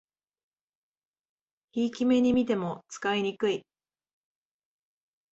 ひいき目にみても使いにくい